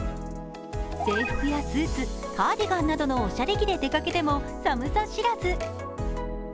制服やスーツ、カーディガンなどのおしゃれ着で出かけても寒さ知らず。